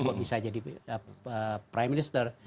dia bisa jadi prime minister